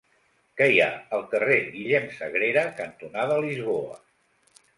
Què hi ha al carrer Guillem Sagrera cantonada Lisboa?